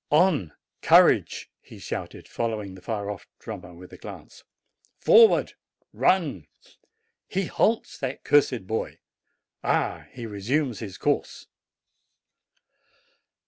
"On! courage!" he shouted, following the far off drummer with a glance. "Forward! run! He halts, that cursed boy ! Ah, he resumes his course